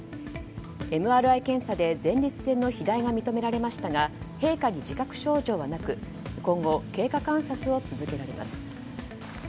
ＭＲＩ検査で前立腺の肥大が認められましたが陛下に自覚症状はなく今後経過観察を続けられます。